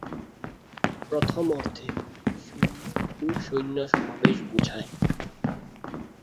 প্রথম অর্থে, সৈন্য ও সৈন্য সমাবেশ বোঝায়।